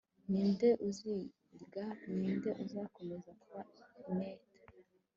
ninde uziga ninde uzakomeza kuba inert